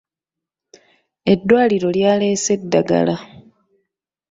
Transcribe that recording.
Eddwaliro lyaleese eddagala.